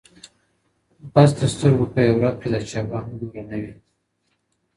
بس د سترګو په یو رپ کي دا شېبه هم نوره نه وي